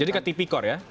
jadi ke tipikor ya